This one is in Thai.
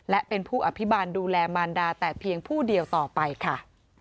และเป็นผู้อภิบาลดูแลมารดาแต่เพียงผู้เดียวต่อไปค่ะ